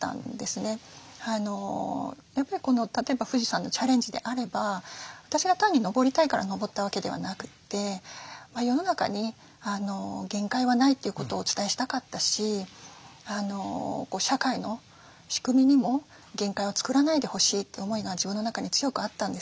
やっぱり例えば富士山のチャレンジであれば私が単に登りたいから登ったわけではなくて世の中に限界はないということをお伝えしたかったし社会の仕組みにも限界を作らないでほしいという思いが自分の中に強くあったんですね。